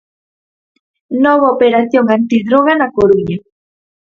Nova operación antidroga na Coruña.